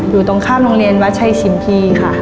อยู่ตรงข้ามโรงเรียนวัดชัยชิมพีค่ะ